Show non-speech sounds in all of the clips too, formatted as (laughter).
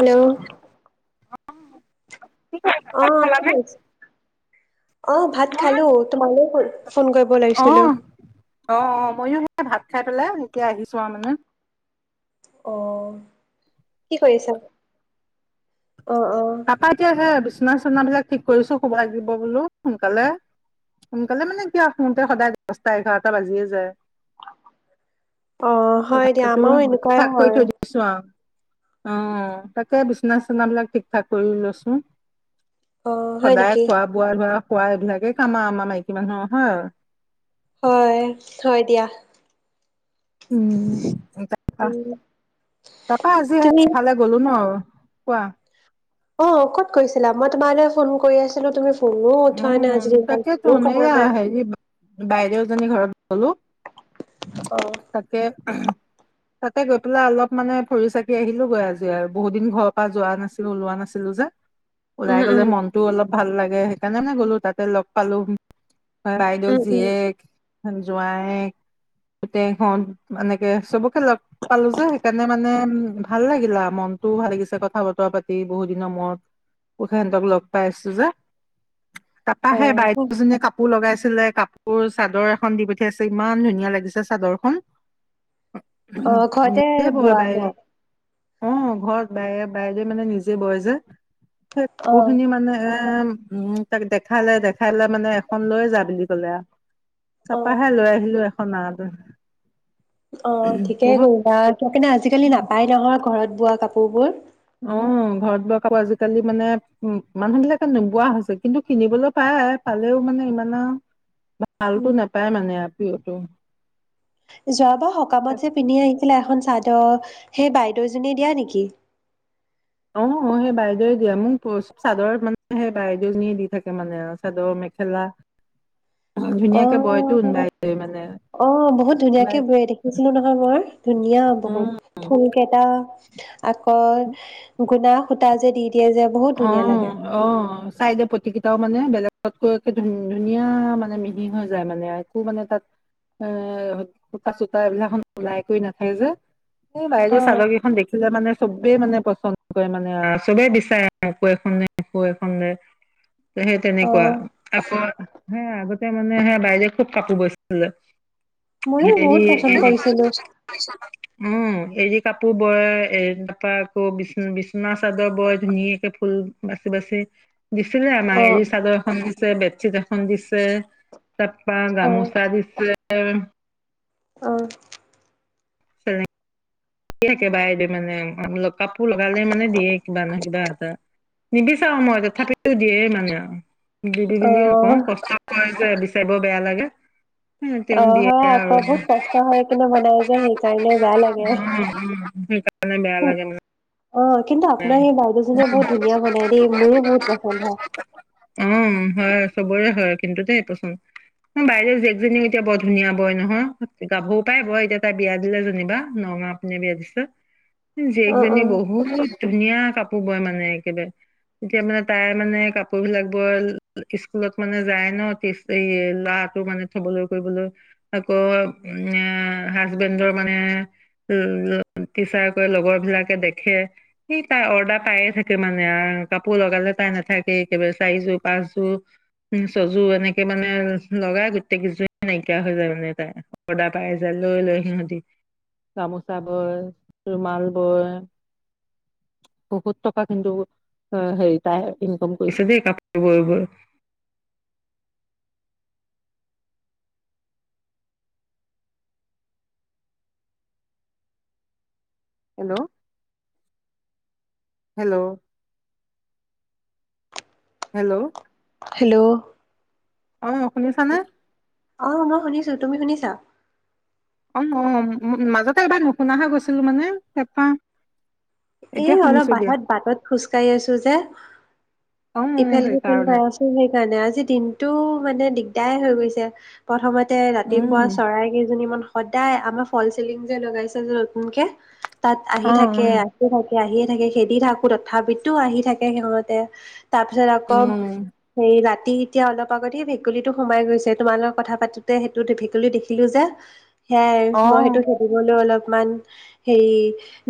Hello (unintelligible) অ, কি খালানে? (unintelligible) অ, ভাত খালোঁ তোমালোক হ'ল? অ, অ অ ময়ো সেইয়া ভাত খাই পেলাই এতিয়া আহিছো আৰু মানে। অ, কি কৰিছা? অ, অ, তাপা এতিয়া সেয়া বিচনা-চনা বিলাক ঠিক কৰিছো শুব লাগিব বোলো, সোনকালে। সোনকালে মানে কি আও শুতে সদায় দচটা এঘাৰটা বাজিয়ে যায়। অ (inaudible) হয় দিয়া (unintelligible) আমাৰো এনেকুৱাই হয় অ, তাকে বিচনা চনা বিলাক ঠিক-ঠাক কৰি লৈছোঁ। অ হয় সদায় নেকি খোৱা-বোৱা ধৰা খোৱা এইবিলাকেই কাম আ আমা মাইকী মানুহৰ হয়ে। হয়, হয় দিয়া। উম, (inaudible) উম তাপা সেয়া তুমি এফালে গ'লো ন, কোৱা। অ, ক'ত গৈছিলা? মই তোমালৈ ফোন কৰি আছিলো তুমি ফোনো উঠোৱা নাই উম, আজি (unintelligible) তাকেতো কোনো এইয়া খবৰ নাই। হেৰি বাইদেউজনী ঘৰত গ'লো। অ', তাকে (unintelligible) তাতে গৈ পেলাই অলপ মানে ফুৰি-চাকি আহিলোগৈ আজি আৰু বহুত দিন ঘৰ পা যোৱা নাছিলো ওলোৱা নাছিলো যে। (unintelligible) ওলাই গ'লে উম মনতটোও অলপ ভাল লাগে সেইকাৰণে মানে গ'লো তাতে লগ পালো। বাইদেউ উম উম জীয়েক, জোঁৱায়েক। পুতেক হ'ত এনেকে সবকে লগ পালো যে সেইকাৰণে মানে ভাল লাগিলে আ মনতটোও ভাল লাগিছে কথা বতৰা পাতি বহুত দিনৰ মূৱত (unintelligible) লগ পাই আছো যে অ তাপাহে বাইদেউজনীয়ে কাপোৰ লগাইছিলে কাপ তোৰ চাদৰ এখন দি পঠিয়াইছে ইমান ধুনীয়া লাগিছে চাদৰখন। অ উম, ঘৰতে নিজে ব'য় বোৱা ন বাইদেৱে। অ ঘৰত বাই- বাইৰে মানে নিজে বয় যে অ কাপোৰখিনি মানে এ উম তাক দেখালে দেখাই লে মানে এখন লৈ যা বুলি ক'লে আউ অ তাপাহে লৈ আহিলো এ (unintelligible) অ ঠিকেই কৰিবা (unintelligible) আজিকালি নাপাই নহয় ঘৰত বোৱা কাপোৰ বোৰ। অ ঘৰত বোৱা কাপোৰ আজিকালি মানে উম মানুহ বিলাকে নোবোৱা হৈছে কিন্তু কিনিবলৈ পায়। পালেও মানে ইমান আউ (inaudible) ভালতো নাপায় মানে আ পিয়ৰ টো। যোৱাবা সকামত যে পিন্ধি আহিছিলে এখন চাদ সেই বাইদেউজনীয়ে দিয়া নেকি? অ অ সেই বাইদেউৱে দিয়ে মোক চাদৰ মানে সেই বাইদেউজনীয়ে দি থাকে মানে চাদৰ মে মেখেলা। (inaudible) (unintelligible) ধুনীয়াকে বয়তোন অ', বাইদেউয়ে মানে অ বহুত ধুনীয়াকে বাই বয়ে দেখিছিলো নহয় মই ধুনীয়া বহুত ফুল কে (unintelligible) আকৌ গুনা সূতা যে দি দিয়ে যে বহুত অ ধুনীয়া লাগে। 'অ 'চাইদে প (unintelligible) মানে বেলেগতকৈ ধুন- ধুনীয়া মানে মিহি হৈ যায় মানে একো মানে তাত এ সূতা- চূতা (unintelligible) ওলাই কৰি নাথাকে যে। এই বাইদেউ অ', চাদকেইখন দেখিলে মানে চবেই মানে পচন্দ কৰে মানে (unintelligible) চবে বিচাৰে। আকৌ এখন (unintelligible) আকৌ এখন (unintelligible) সেই তেনেকুৱা। অ', আকৌ হে আগতে মানে হে বাইদেউয়ে খুব কাপোৰ বয়ছিলে। ময়ো হেৰি বহুত পচন্দ কৰিছিলো (unintelligible) উম, এৰি কাপোৰ বয় এ- তাৰাপা আকৌ বিচ- বিচনা চাদৰ বয় ধুন (unintelligible) ফুল বাচি দিছিলে আমাক অ', এৰি চাদৰ এখন দিছে বেড চিট এখন দিছে তাৰপা অ', গামোচা দিছে অ', চেলেং। দি থাকে বাইদে মানে (unintelligible) কাপোৰ লগালে মানে দিয়ে কিবা নহ কিবা এটা। নিবিচাৰো মই তথাপিতো দিয়ে মানে আউ। দিবি বুলিও নকওঁ অ', কষ্ট কৰে যে বিচাৰিব বেয়া লাগে। হে তেওঁ দিয়ে আৰু হৈ কিনে বনাই যে সেইকাৰণে বেয়া লাগে। উম, উম সেইকাৰণে বেয়া লাগে মানে। অ কিন্তু আপোনাৰ সেই বাইদেউজনীয়ে বহুত ধুনীয়া বনাই দেই মোৰো বহুত পচন্দ হয়। অ হয় চবৰে হয় কিন্তু দেই পচন্দ। বাইদেউ জিয়েকজনী এতিয়া বৰ ধুনীয়া বয় নহয় গাভও পাই বয় এতিয়া তাই বিয়া দিলে যেনিবা নগাওঁ (unintelligible) বিয়া দিছে অ', অ'। জীয়েকজনীয়ে বহুত ধুনীয়া কাপোৰ বয় মানে একেবাৰে। এতিয়া মানে তাই মানে কাপোৰ বিলাক বৰ স্কুলত মানে যায় ন' এই ল'ৰাটো মানে থবলৈ কৰিবলৈ। আকৌ উ হাজবেণ্ডৰ মানে উম, টিচাৰ কৰে লগৰ বিলাকে দেখে। সেই তাই অৰ্ডাৰ পায়ে থাকে মানে আৰু কাপোৰ লগালে তাই নাথাকে একেবাৰে চাৰিযোৰ, পাঁচযোৰ উ ছযোৰ এনেকে মানে লগাই গোটেইকেইযোৰ নাইকিয়া হৈ যায় মানে তাই। অৰ্দাৰ পাই যায় লৈ লয় সিহঁতি। গামোচা বয়, ৰুমাল বয়। বহুত টকা কিন্তু অ' হেৰি তাই ইনকম কৰিছে দেই কাপোৰ বয় বয়। হেল্ল'। হেল্ল'। হেল্ল'। হেল্ল'। অ' শুনিছানে? অ' মই শুনিছো তুমি শুনিছা? অ' অ' মাজতে এবাৰ নুশুনা হৈ গৈছিলো মানে তাপা এ অলপ বাহাত বাটত খোজকাঢ়ি আছো যে অ ইফাল - সিফাল সেইকাৰণে হৈ আছো। সেইকাৰণে আজি দিনটো মানে দিগদাৰ এ হৈ গৈছে। প্ৰথমতে ৰাতিপুৱা উম চৰাই কেইজনীমান সদায় আমাৰ ফল চিলিং যে লগাইছে যে নতুনকে তাত আহি অ থাকে। আহি থাকে, আহিয়ে থাকে খেদি থাকো তথাপিতো আহি থাকে সিহঁতে। তাৰপিছত অ আকৌ অ সে ৰাতি এতিয়া অলপ আগতে ভেকুলীটো সোমাই গৈছে। তোমাৰ লগত কথা পাতোতে সেইটো ভেকুলী দেখিলো যে সেয়াই অ মই সেইটো খেদিবলৈ অলপমান হেৰি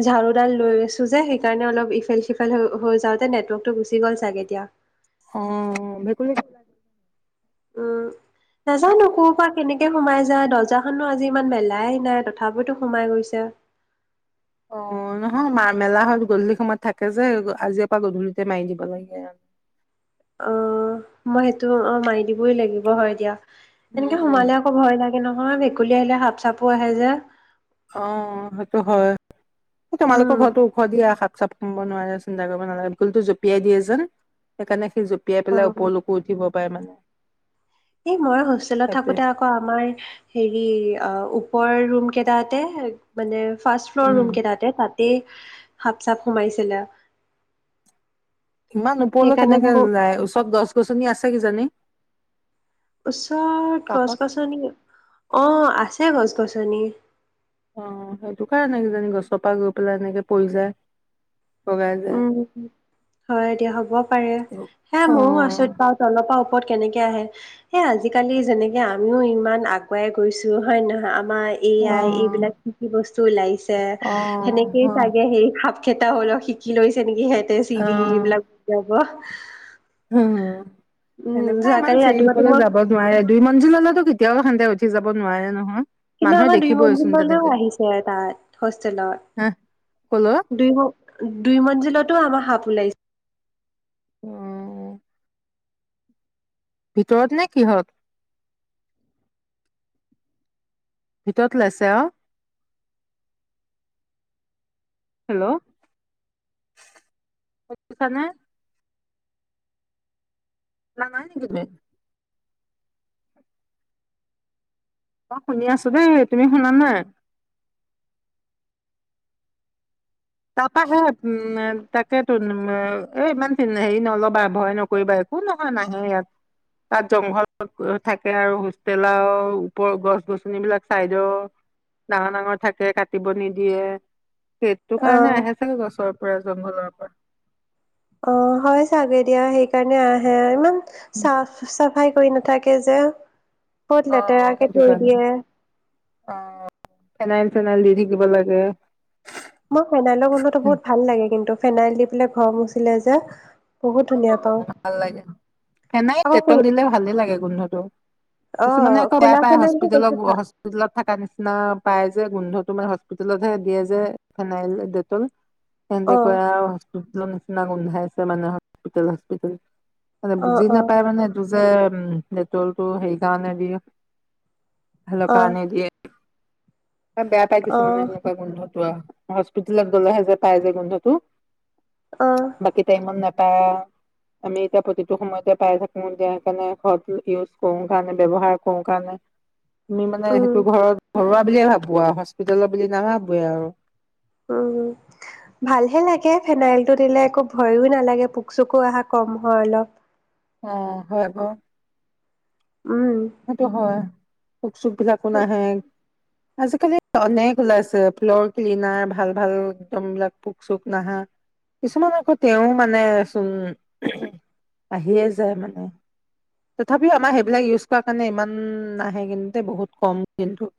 ঝাৰুডাল লৈ চু যে সেইকাৰণে অলপ ইফাল-সিফাল হৈ যাওঁতে নেটৱৰ্কটো গুচি গ'ল চাগে এতিয়া। উম, ভেকুলী উম। নাজানো ক'ৰ পৰা কেনেকে সোমাই যায় দৰ্জাখনো আজি ইমান মেলাই নাই তথাপিতো সোমাই গৈছে। অ' নহয় মা মেলা হয় গধূলি সময়ত থাকে যে আজি পৰা গধূলিতে মাৰি দিব লাগে আৰু। অ' মই সেইটো অ' মাৰি দিবই লাগিব হয় দিয়া এনেকে উম সোমালে আকৌ ভয় লাগে। হেৰি নহয় ভেকুলী আহিলে সাপ, চাপো আহে যে। অ' সেইটো হয় উম তোমালোকৰ ঘৰতো হয় দিয়া সাপ, চাপ সোমাব নোৱাৰে চিন্তা কৰিব নালাগে। ভেকুলীটো জপিয়াই দিয়ে যে সেইকাৰণে সি জপি লুটিয়াই পেলাই অ ওপৰলৈকো উঠিব পাৰে মানে। এই ময়ো হোষ্টেলত সেইটোৱে থাকোঁতে আকৌ আকৌ আমাৰ হেৰি অ' ওপৰৰ ৰুম কেইটাতে মানে ফাৰ্ষ্ট ফ্লৰ উম ৰুম কেইটাতে তাতেই সাপ, চাপ সোমাইছিলে। ইমান ওপৰলৈ সেইকাৰণে কেনেকে মোৰ যায় ওচৰত গছ-গছনি আছে কিজানি। ওচৰত কাষত গছ-গছনি অ' আছে গছ-গছনি। অ' সেইটো কাৰণে কিজানি গছৰ পৰা গৈ পেলায় এনেকে পৰি যায়। বগাই যায় উম, হয় দিয়া হ'ব পাৰে হে অ এ ময়ো আচৰিত পাও। তলৰ পৰা ওপৰত কেনেকে আহে। সেই আজিকালি যেনেকে আমিও ইমান আগুৱাই গৈছো হয় নহয় আমাৰ এ অ আই এইবিলাক কি কি বস্তু ওলাইছে। অ সেনেকেই চাগে হে সাপ সাপ কেইটাও অলপ শিকি লৈছে নেকি সিহঁতে অ চিৰি এইবিলাক যাব। উম, তেনেকুৱাই ইমান যোৱাকালি চিৰি ৰাতিপুৱাতো ওপৰলৈ মই যাব নোৱাৰে দুই মঞ্জিলৈলেতো কেতিয়াও সিহঁতে উঠি যাব নোৱাৰে নহয়। কিন্তু মানুহে আমাৰ দুই দেখিবইচোন মঞ্জিলৈলেও তেনেকে আহিছে এটা হা কলৈ হোষ্টেলত দুই দুই মঞ্জিলতো আমাৰ সাপ ওলাইছে। উম। ভিতৰতনে কিহত? ভিতৰত ওলাইছে আও? হেল্ল' শুনিছানে? (inaudible) মই শুনি আছো দেই, তুমি শুনা নাই? তাৰপৰা হে উম তাকেতো এ ইমান হেৰি নল'বা ভয় নকৰিবা। একো নহয় নাহে ইয়াত। তাত জংঘল থাকে আৰু হোষ্টেল আৰু ওপৰৰ গছ গছনিবিলাক চাইদৰ ডাঙৰ ডাঙৰ থাকে কাটিব নিদিয়ে। সেইটো কাৰণে অহ আহে চাগে গছৰ পৰা জংঘলৰ পৰা। অ', হয় চাগে দিয়া সেইকাৰণে আহে ইমান চাফ চাফ চাফাই কৰি নাথাকে যে বহুত অ লেতেৰাকে সেইটো থৈ কাৰণে দিয়ে। অ', ফেনাইল চেনাইল দি থাকিব লাগে। মই ফেনাইলৰ গোন্ধটো বহুত ভাল লাগে কিন্তু ফেনাইল দি পেলাই ঘৰ মুচিলে যে। বহুত ধুনীয়া পাওঁ ভাল লাগে ফেনাইল আকৌ কো ডেটল দিলে ভালে লাগে গোন্ধটো। অ কিছুমানে আকৌ বেয়া ক'লা পায় ফেনাইলটো হস্পিতালৰ বেছি হস্পি ভাল হস্পিতালত থকাৰ নিচিনা পাই যে গোন্ধতো হস্পিতেলত হে দিয়ে যে ফেনাইল ডেটল। (inaudible) তেনেকৈ আৰু হস্পিতালৰ নিচিনা গোন্ধাইছে মানে হস্পিতেল হস্পিতেল। মানে অ বুজি অ নাপায় মানে এইটো যে উম ডেটলটো সেই কাৰণে দিয়ে। ভালৰ অ কাৰণে দিয়ে। বেয়া পাই অ কিছুমানে সেনেকুৱা গোন্ধটো হস্পিতেলত গ'লেহে যে পাই যে গোন্ধতো। অ'। বাকি টাইমত নাপায় আৰু। আমি এতিয়া প্ৰতিটো সময়তে পাই থাকো এতিয়া সেইকাৰণে ঘৰত ইউজ কৰো কাৰণে ব্যৱহাৰ কৰো কাৰণে। (inaudible) তুমি মানে উম সেইটো ঘৰত ঘৰুৱা বুলিয়ে ভাবো আৰু হস্পিতালৰ বুলি নাভাবোৱে আৰু। উম। ভালহে লাগে ফেনাইলটো দিলে একো ভয়ো নালাগে পোক চোকো অহা কম হয় অলপ। অ', হয় আকৌ। উম। সেইটো হয় পোক চোকবিলাকো নাহে। আজিকালি অনেক ওলাইছে ফ্ল'ৰ ক্লিনাৰ ভাল ভাল একদম এইবিলাক পোক চোক নাহা। কিছুমান আকৌ তেওঁ মানে চোন আহিয়ে যায় মানে। তথাপিও আমাৰ সেইবিলাক ইউজ কৰা কাৰণে ইমান নাহে কিন্তুতে বহুত কম কিন্তু।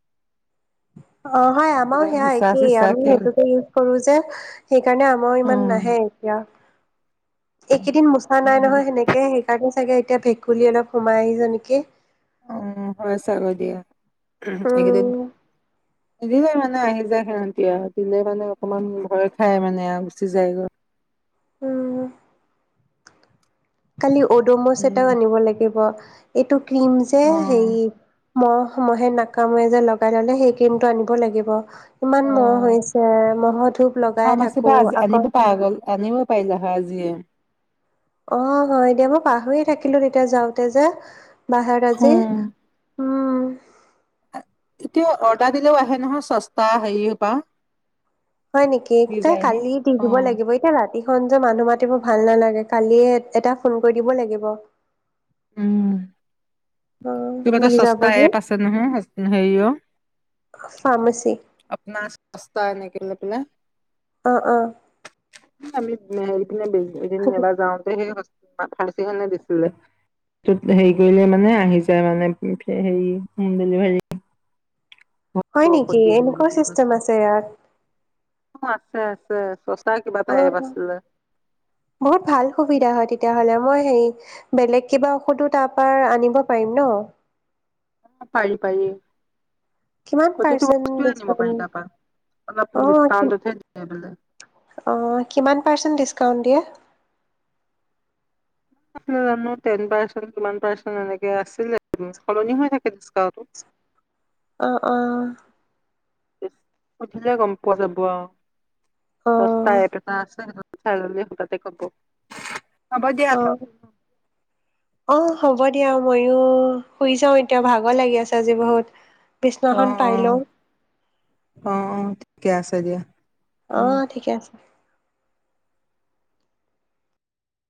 অ', হয় আমাৰও সেয়াই বিচা একেই চিচা আমি কে সেইটোকে ইউজ কৰো যে সেইকাৰণে আমাৰ ইমান উম নাহে এতিয়া। এইকেইদিন মুচা নাই নহয় সেনেকে সেইকাৰণে চাগে এতিয়া ভেকুলী অলপ সোমাই আহিছে নেকি! অ', হয় চাগৈ দিয়া এইকেইদিন উম দিলে মানে আহি যায় সিহঁতি আৰু দিলে মানে অকমান ভয় খাই মানে আৰু গুচি যায়গৈ। উম কালি অড'মছ উম এটাও আনিব লাগিব, এইটো ক্ৰীম যে অ হেৰি মহ মহে নাকামৰে যে লগাই ল'লে সেই ক্ৰিমটো আনিব লাগিব। অ কিমান মহ হৈছে, মহৰ ধূপ লগাই ফাৰ্মাচীৰ থাকোঁ পৰা আজি আকৌ আনিব পৰা গ'ল আনিব পাৰিলা হয় আজিয়ে। অ' হয় এতিয়া মই পাহৰিয়ে থাকিলোঁ তেতিয়া যাওঁতে যে বাহত আজি। উম উম এতিয়া অৰ্ডাৰ দিলও আহে নহয় চস্তা হেৰিৰপা। হয় নেকি, কা-কালিৱে দি অ দিব লাগিব। এ, ৰাতিখন যে মানুহ মাতিব ভাল নালাগে, কালিয়ে এটা ফোন কৰি দিব লাগিব। উম। অ কিবা এটা দি চস্তা যাবহি এপ আছে নহয় আজ হেৰিয় ফাৰ্মাচী আপোনাৰ চস্তা এনেকে লৈ পেলাই। অ', অ'। (unintelligible) এবাৰ যাওঁতে সেই হ ফা ফাৰ্চিখনে দিছিলে, টোত হেৰি কৰিলে মানে আহি তাৰ মানে হেৰি হ'ম ডেলিভাৰী। হয় ঘৰতো ঔষধ নেকি, দি আহিব এনেকুৱা বুলি চিষ্টেম কৈছে আছে ইয়াত। অ' আছে আছে, চস্তা কিবা এটা অ এপ আছিলে। বহুত ভাল সুবিধা হয় তেতিয়াহ'লে মই হেৰি বেলেগ কিবা ঔষধো তাৰপা আনিব পাৰিম ন'? অ' পাৰি পাৰি। কিমান প্ৰতিটো পাৰ্চেন্ট বস্তুৱে আনিব পাৰি ডিচকাউন্ট তাৰপা, অলপ অ কি- ডিকাউন্টতহে দিয়ে বোলে। অ' কিমান পাৰ্চেণ্ট ডিছকাউণ্ট দিয়ে? জানো জানো টেন পাৰ্চেণ্ট, কিমান পাৰ্চেন্ট এনেকে আছিলে, সলনি হৈ থাকে ডিচকা অ', অ'। সুধিলে গম পোৱা যাব আৰু। অ চস্তা এপ এটা আছে সেই চাললে হঠাতে ক'ব। হ'ব দিয়া অ'। অ' হ'ব দিয়া, ময়ো শুই যাওঁ এতিয়া, ভাগৰ লাগি আছে আজি বহুত। অ', বিচনাখন পাৰি অ', লওঁ অ', অ', ঠিকে আছে দিয়া। উম। অ' ঠিকে আছে।